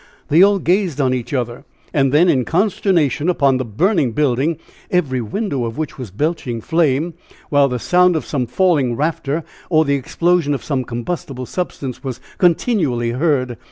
They all gazed on each other, and then in consternation upon the burning building, every window of which was belching flame, while the sound of some falling rafter, or the explosion of some combustible substance, was continually heard!